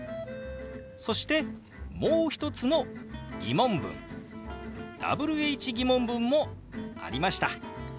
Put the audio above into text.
そしてもう一つの疑問文Ｗｈー疑問文もありました。